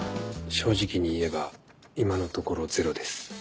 正直に言えば今のところゼロです。